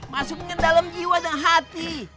masukin dalam jiwa dan hati